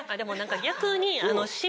逆に。